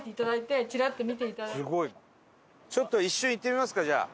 ちょっと一瞬行ってみますかじゃあ。